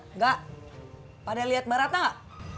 enggak pada lihat mbak ratna nggak